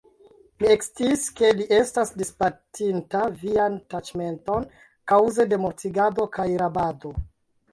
Mi eksciis, ke li estas disbatinta vian taĉmenton kaŭze de mortigado kaj rabado.